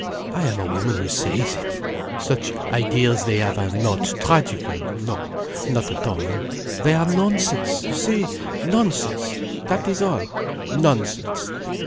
I am a woman who says it. Such ideas they have are not tragical. No, not at all. They are nonsense, you see, nonsense. That is all. Nonsense.